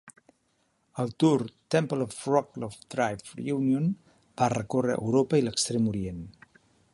El tour Temple of Rock - Lovedrive Reunion" va recórrer Europa i l"Extrem Orient.